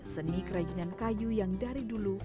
seni kerajinan kayu yang dari dulu